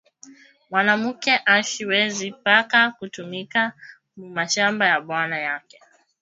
Mwanamuke ashi wezi paka ku tumika mu mashamba ya bwana yake